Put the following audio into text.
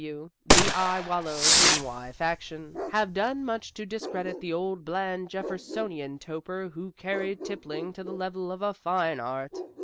W.W. the I Wallow in Wine faction have done much to discredit the old bland Jeffersonian toper who carried tippling to the level of a fine art.